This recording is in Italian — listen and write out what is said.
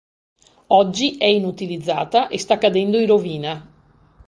Oggi è inutilizzata e sta cadendo in rovina.